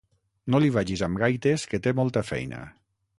No li vagis amb gaites, que té molta feina!